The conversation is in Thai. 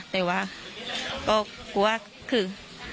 แต่ก็กลัวที่